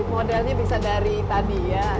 modelnya bisa dari tadi ya